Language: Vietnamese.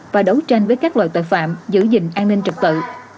và đấu tranh với các loại tội phạm giữ gìn an ninh trật tự